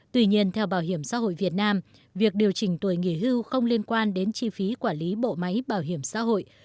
tuy nhiên theo bảo hiểm xã hội việt nam việc điều chỉnh tuổi nghỉ hưu không liên quan đến chi phí quản lý bộ máy bảo hiểm xã hội